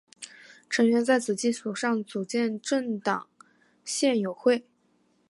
成员在此基础上组建政党宪友会。